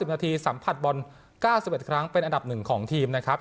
นาทีสัมผัสบอล๙๑ครั้งเป็นอันดับ๑ของทีมนะครับ